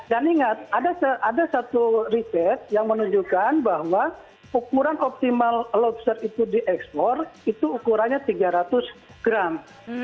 dan ingat ada satu riset yang menunjukkan bahwa ukuran optimal lobster itu di ekspor itu ukurannya tiga ratus gram